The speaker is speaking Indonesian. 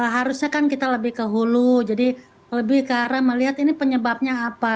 harusnya kan kita lebih ke hulu jadi lebih ke arah melihat ini penyebabnya apa